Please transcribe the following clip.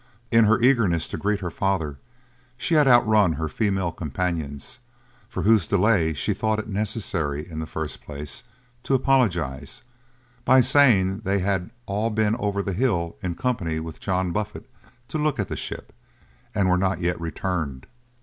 In her eagerness to greet her father, she had outrun her female companions, for whose delay she thought it necessary, in the first place, to apologize, by saying they had all been over the hill in company with John Buffet to look at the ship, and were not yet returned.